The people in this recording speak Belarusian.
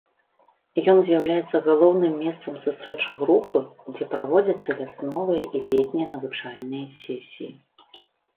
Ён з'яўляецца галоўным месцам сустрэчы групы, дзе праводзяцца вясновыя і летнія навучальныя сесіі.